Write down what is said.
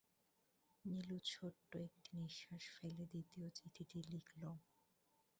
নীলু ছোট্ট একটি নিঃশ্বাস ফেলে দ্বিতীয় চিঠিটি লিখল।